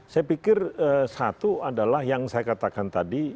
saya pikir satu adalah yang saya katakan tadi